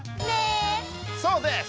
そうです！